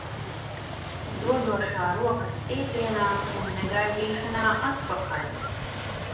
Dodošā rokas stiepienā un negaidīšanā atpakaļ.